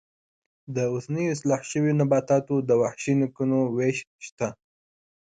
د اوسنیو اصلاح شویو نباتاتو د وحشي نیکونو وېش شته.